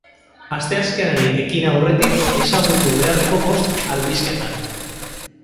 Asteazkenari ekin aurretik ezagutu beharreko bost albisteak.